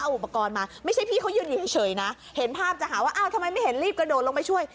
อุปกรณ์มาไม่ใช่พี่เขายืนอยู่เฉยนะเห็นภาพจะหาว่าอ้าวทำไมไม่เห็นรีบกระโดดลงไปช่วย